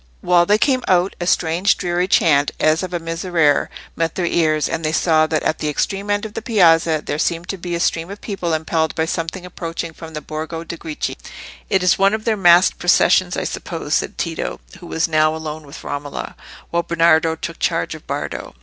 While they came out, a strange dreary chant, as of a Miserere, met their ears, and they saw that at the extreme end of the piazza there seemed to be a stream of people impelled by something approaching from the Borgo de' Greci. "It is one of their masqued processions, I suppose," said Tito, who was now alone with Romola, while Bernardo took charge of Bardo.